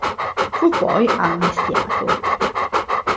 Fu poi amnistiato.